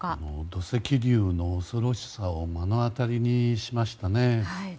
土石流の恐ろしさを目の当たりにしましたね。